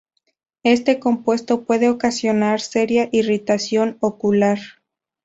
Este compuesto puede ocasionar seria irritación ocular.